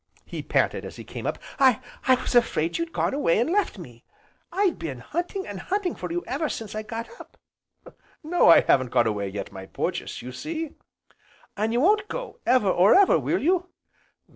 he panted as he came up, "I was 'fraid you'd gone away an' left me, I've been hunting, an' hunting for you ever since I got up." "No, I haven't gone away yet, my Porges, you see." "An' you won't go ever or ever, will you?"